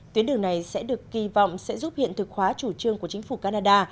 tuyến đường này sẽ được kỳ vọng sẽ giúp hiện thực hóa chủ trương của chính phủ canada